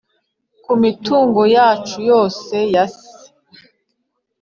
kumitungo yacu yose yase.